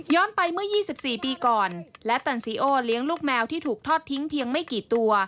ไปเมื่อ๒๔ปีก่อนและตันซีโอเลี้ยงลูกแมวที่ถูกทอดทิ้งเพียงไม่กี่ตัว